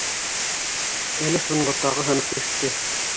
Әле шуның ботағы һынып төштө